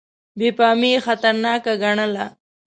بې پامي یې خطرناکه ګڼله.